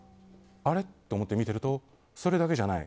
あれ？と思ってみてるとそれだけじゃない。